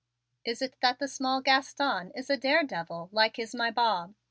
"Is it that the small Gaston is a daredevil like is my Bob?"